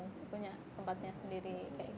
punya tempatnya sendiri